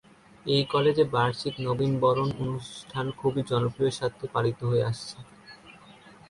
এই কলেজে বার্ষিক নবীন বরণ অনুষ্ঠান খুবই জনপ্রিয়তার সাথে পালিত হয়ে আসছে।